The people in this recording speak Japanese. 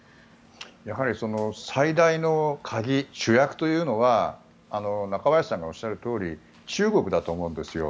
やはり最大の鍵主役というのは中林さんがおっしゃるとおり中国だと思うんですよ。